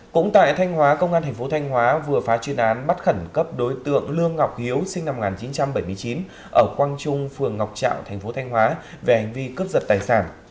cũng tại thanh hóa công an thành phố thanh hóa vừa phá chuyên án bắt khẩn cấp đối tượng lương ngọc hiếu sinh năm một nghìn chín trăm bảy mươi chín ở quang trung phường ngọc trạo thành phố thanh hóa về hành vi cướp giật tài sản